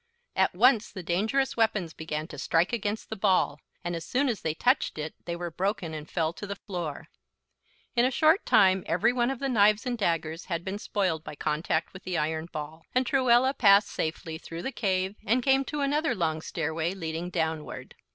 At once the dangerous weapons began to strike against the ball, and as soon as they touched it they were broken and fell to the floor. In a short time every one of the knives and daggers had been spoiled by contact with the iron ball, and Truella passed safely through the cave and came to another long stairway leading downward.